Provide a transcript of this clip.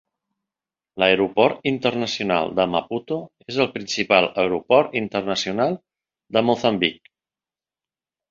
L'aeroport internacional de Maputo és el principal aeroport internacional de Moçambic.